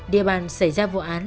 địa bàn xảy ra vụ án